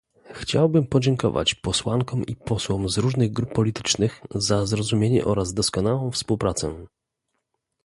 Chciałbym podziękować posłankom i posłom z różnych grup politycznych za zrozumienie oraz doskonałą współpracę